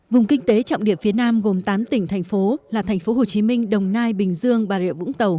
vùng kinh tế trọng điểm phía nam gồm tám tỉnh thành phố là thành phố hồ chí minh đồng nai bình dương bà rịa vũng tàu